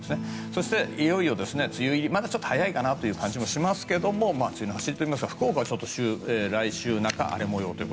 そして、いよいよ梅雨入りまだちょっと早いかなという感じもしますが梅雨の走りというか福岡は来週、荒れ模様と。